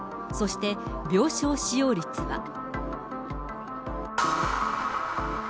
そして、病床使用率は。